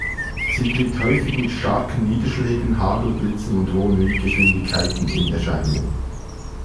Sie tritt häufig mit starken Niederschlägen, Hagel, Blitzen und hohen Windgeschwindigkeiten in Erscheinung.